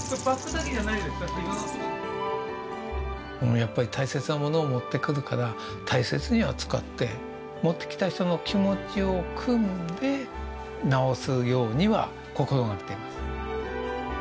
やっぱり大切なものを持ってくるから大切に扱って持ってきた人の気持ちをくんで直すようには心がけています。